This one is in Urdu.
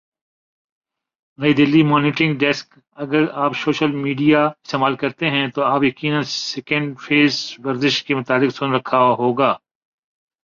نئی دہلی مانیٹرنگ ڈیسک اگر آپ سوشل میڈیا استعمال کرتے ہیں تو آپ یقینا سیکنڈ فیس ورزش کے متعلق سن رکھا ہو گا